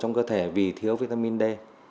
trong cơ thể vì thiếu vitamin d